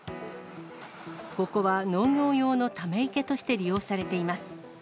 ここは農業用のため池として利用されています。